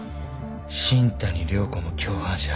新谷涼子も共犯者。